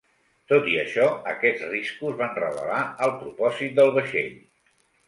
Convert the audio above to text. Tot i això, aquests riscos van revelar el propòsit del vaixell.